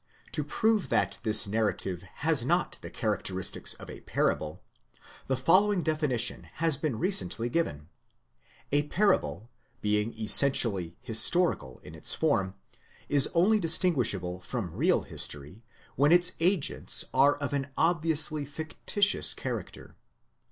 To prove that this narrative has not the characteristics of a parable, the following definition has been recently given: a parable, being essentially historical in its form, is only distinguishable from real history when its agents are of an obviously fictitious character.!